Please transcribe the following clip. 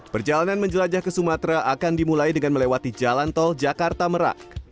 perjalanan menjelajah ke sumatera akan dimulai dengan melewati jalan tol jakarta merak